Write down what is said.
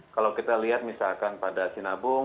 kalau kita lihat misalkan pada sinabung